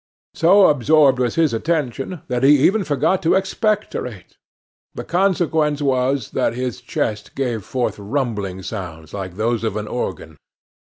So absorbed was his attention that he even forgot to expectorate. The consequence was that his chest gave forth rumbling sounds like those of an organ.